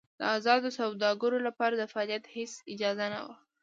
د ازادو سوداګرو لپاره د فعالیت هېڅ اجازه نه وه.